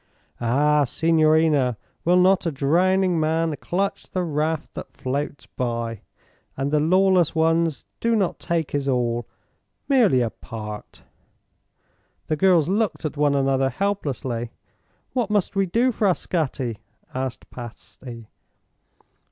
"Ah, signorina, will not a drowning man clutch the raft that floats by? And the lawless ones do not take his all merely a part." The girls looked at one another helplessly. "What must we do, Frascatti?" asked Patsy.